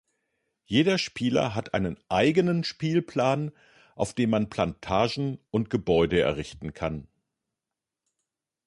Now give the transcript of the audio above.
Jeder Spieler hat einen eigenen Spielplan, auf dem man Plantagen und Gebäude errichten kann.